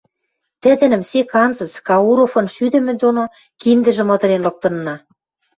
тӹдӹнӹм сек анзыц, Кауровын шӱдӹмӹ доно, киндӹжӹм ыдырен лыктынна